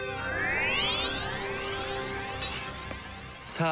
さあ。